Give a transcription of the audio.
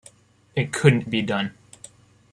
It couldn't be done.